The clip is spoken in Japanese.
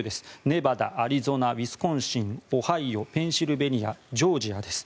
ネバダ、アリゾナウィスコンシンオハイオ、ペンシルベニアジョージアです。